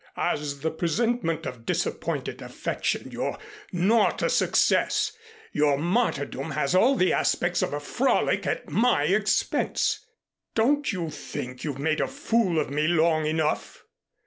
As the presentment of disappointed affection you're not a success. Your martyrdom has all the aspects of a frolic at my expense. Don't you think you've made a fool of me long enough?"